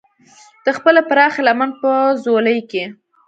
د خپلې پراخې لمن په ځولۍ کې.